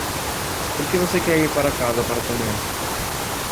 Por que você quer ir para casa para comer?